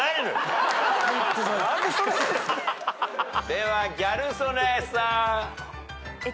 ではギャル曽根さん。